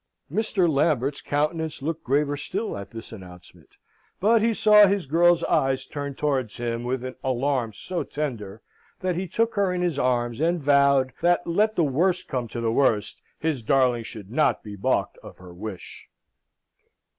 Mr. Lambert's countenance looked graver still at this announcement, but he saw his girl's eyes turned towards him with an alarm so tender, that he took her in his arms and vowed that, let the worst come to the worst, his darling should not be balked of her wish.